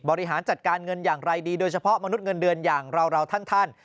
บริหารจัดการเงินอย่างไรดีโดยเฉพาะมนุษย์เงินเดือนอย่างเราท่าน